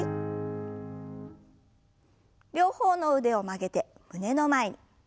両方の腕を曲げて胸の前に。